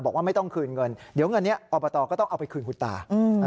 บอกว่าไม่ต้องคืนเงินเดี๋ยวเงินนี้อบตก็ต้องเอาไปคืนคุณตา